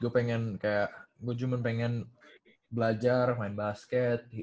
gua pengen kayak gua cuman pengen belajar main basket